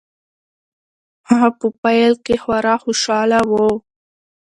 هغه په پيل کې خورا خوشحاله و.